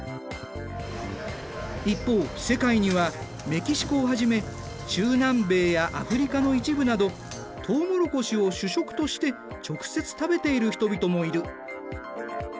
一方世界にはメキシコをはじめ中南米やアフリカの一部などとうもろこしを主食として直接食べている人々もいる。